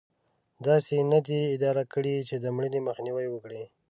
داسې یې نه دي اداره کړې چې د مړینې مخنیوی وکړي.